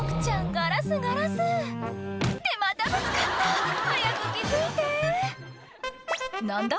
ガラスガラスってまたぶつかった早く気付いて何だ？